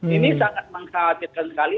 ini sangat mengkhawatirkan sekali